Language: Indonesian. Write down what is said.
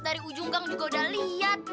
dari ujung gang juga udah lihat